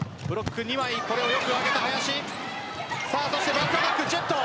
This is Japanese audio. バックアタック、ジェット。